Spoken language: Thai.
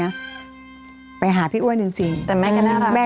เมย์ที่ไปหาพี่อ้วนจริง